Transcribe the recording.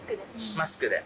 マスクで。